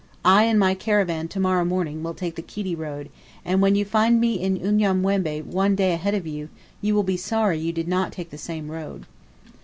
I and my caravan to morrow morning will take the Kiti road, and when you find me in Unyanyembe one day ahead of you, you will be sorry you did not take the same road."